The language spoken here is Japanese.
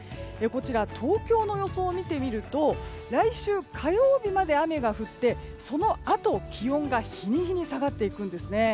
こちら、東京の予想を見てみると来週火曜日まで雨が降ってそのあと気温が日に日に下がっていくんですね。